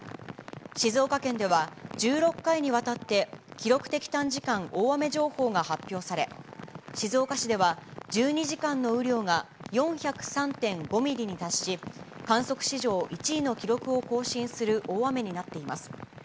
静岡県では１６回にわたって、記録的短時間大雨情報が発表され、静岡市では１２時間の雨量が４０３．５ミリに達し、観測史上１位の記録を更新する大雨になっています。